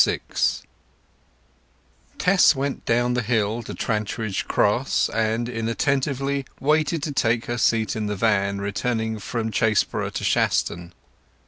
VI Tess went down the hill to Trantridge Cross, and inattentively waited to take her seat in the van returning from Chaseborough to Shaston.